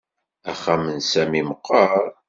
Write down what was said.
Axxam n Sami meqqer